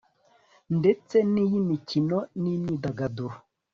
ndetse n'iy'imikino n'imyidagaduro